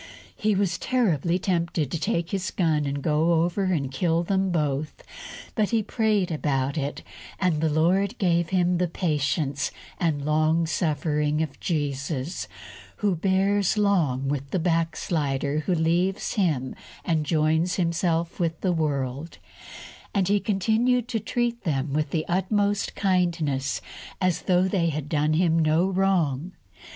He was terribly tempted to take his gun and go over and kill them both. But he prayed about it, and the Lord gave him the patience and long suffering of Jesus, who bears long with the backslider who leaves Him and joins himself with the world; and he continued to treat them with the utmost kindness, as though they had done him no wrong.